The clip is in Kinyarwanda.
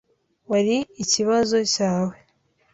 Wari ikibazo cyawe.